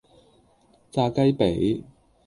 炸雞脾